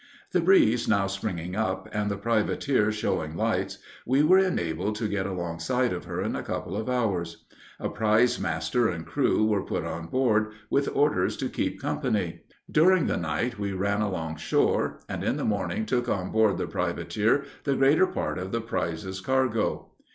The breeze now springing up, and the privateer showing lights, we were enabled to get alongside of her in a couple of hours. A prize master and crew were put on board, with orders to keep company. During the night, we ran along shore, and, in the morning, took on board the privateer the greater part of the prize's cargo.